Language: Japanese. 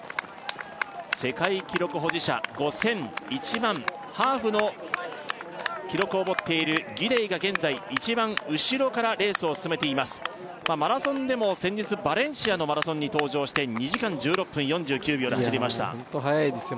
世界記録保持者５０００１００００ハーフの記録を持っているギデイが現在一番後ろからレースを進めていますマラソンでも先日バレンシアのマラソンに登場して２時間１６分４９秒で走りましたいやホント速いですよ